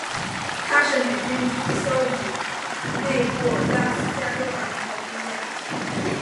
她是美军第一艘以内布拉斯加州为名的军舰。